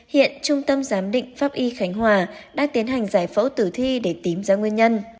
hiện trung tâm giám định pháp y khánh hòa đang tiến hành giải phẫu tử thi để tìm ra nguyên nhân